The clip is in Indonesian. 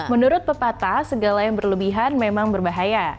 menurut pepatah segala yang berlebihan memang berbahaya